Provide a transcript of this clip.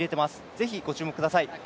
是非ご注目ください。